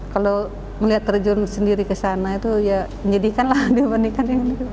kalau melihat terjun sendiri ke sana itu ya menyedihkan lah diperanikan